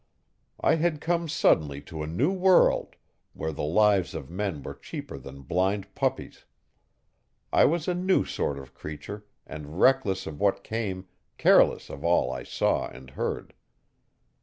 I had come suddenly to a new world, where the lives of men were cheaper than blind puppies. I was a new sort of creature, and reckless of what came, careless of all I saw and heard.